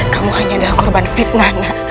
kamu hanya adalah korban fitnah nak